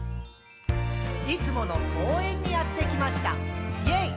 「いつもの公園にやってきました！イェイ！」